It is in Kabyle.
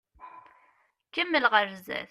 Kemmel ɣer zdat.